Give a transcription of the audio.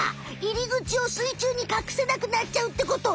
入り口を水中にかくせなくなっちゃうってこと！